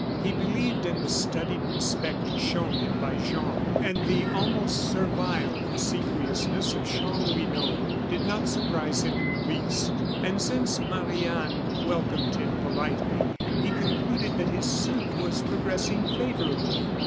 He believed in the studied respect shown him by Jean; and the almost servile obsequiousness of Chanlouineau did not surprise him in the least. And since Marie Anne welcomed him politely, he concluded that his suit was progressing favorably.